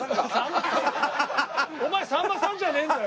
お前さんまさんじゃねえんだよ。